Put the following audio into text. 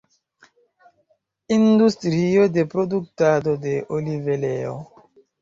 Industrio de produktado de olivoleo.